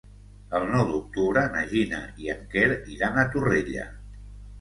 El nou d'octubre na Gina i en Quer iran a Torrella.